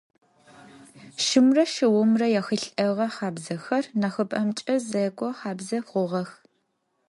Шымрэ шыумрэ яхьылӏэгъэ хабзэхэр нахьыбэмкӏэ зекӏо хабзэ хъугъэх.